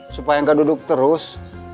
supaya nggak duduk terus